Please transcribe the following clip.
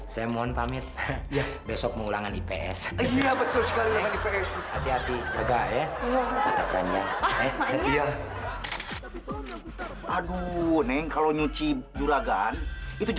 sampai jumpa di video selanjutnya